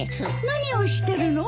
・何をしてるの？